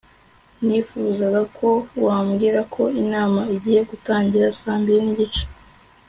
nifuzaga ko wabwira ko inama igiye gutangira saa mbiri nigice